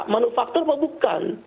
manufaktur apa bukan